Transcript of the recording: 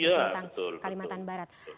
kesentang kalimantan barat